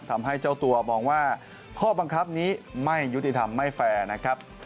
ทำให้เจ้าตัวมองว่าข้อบังคับนี้ไม่ยุติธรรมไม่แฟร์นะครับ